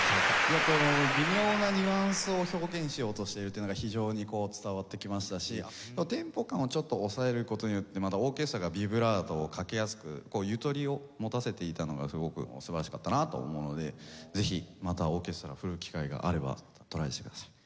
この微妙なニュアンスを表現しようとしているっていうのが非常にこう伝わってきましたしテンポ感をちょっと抑える事によってオーケストラがビブラートをかけやすくこうゆとりを持たせていたのがすごく素晴らしかったなと思うのでぜひまたオーケストラ振る機会があればトライしてください。